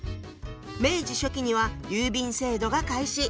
明治初期には郵便制度が開始。